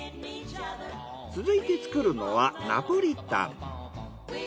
続いて作るのはナポリタン。